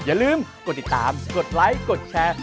อย่าลืมกดติดตามกดไลค์กดแชร์